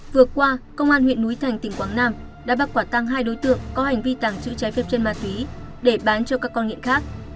vừa qua công an huyện núi thành tỉnh quảng nam đã bắt quả tăng hai đối tượng có hành vi tàng trữ trái phép chân ma túy để bán cho các con nghiện khác